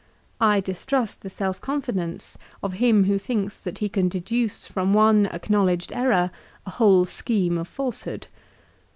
I distrust the self confidence of him who thinks that he can deduce from one acknowledged error a whole scheme of falsehood.